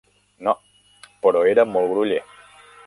No; però era molt groller.